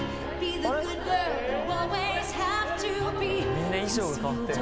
みんな衣装が変わってる・